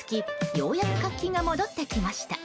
ようやく活気が戻ってきました。